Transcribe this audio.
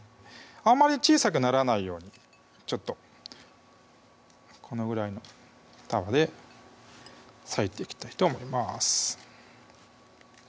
あまり小さくならないようにちょっとこのぐらいの束で割いていきたいと思います